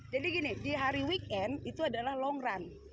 jadi gini di hari weekend itu adalah long run